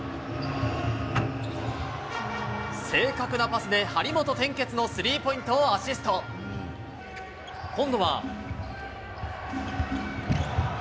正確なパスで張本天傑のスリーポイントをアシスト。今度は。